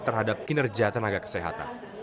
terhadap kinerja tenaga kesehatan